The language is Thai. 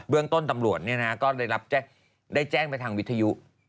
เรื่องต้นตำรวจก็ได้แจ้งไปทางวิทยุ